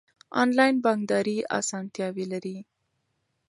انلاین بانکداري اسانتیاوې لري.